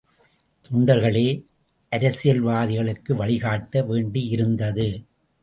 தொண்டர்களே அரசியல்வாதிகளுக்கு வழிகாட்ட வேண்டியிருந்தது.